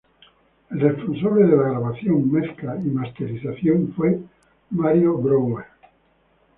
El responsable de la grabación, mezcla y masterización fue Mario Breuer.